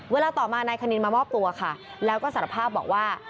เวลาต่อมานายคณินมามอบตัวค่ะแล้วก็สารภาพบอกว่า